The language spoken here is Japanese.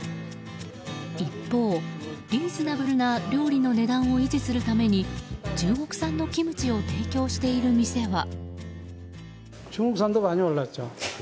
一方、リーズナブルな料理の値段を維持するために中国産のキムチを提供している店は。